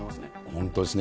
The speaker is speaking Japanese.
本当ですね。